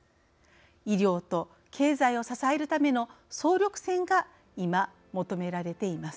医療と経済を支えるための総力戦が、今、求められています。